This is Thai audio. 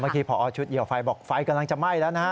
เมื่อกี้ผอชุดเหยียวไฟบอกไฟกำลังจะไหม้แล้วนะฮะ